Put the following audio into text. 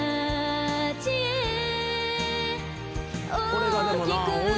これがでもな。